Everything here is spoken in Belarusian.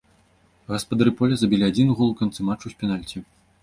Гаспадары поля забілі адзін гол у канцы матчу з пенальці.